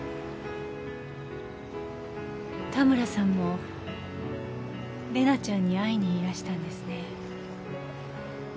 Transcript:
田村さんも玲奈ちゃんに会いにいらしたんですね。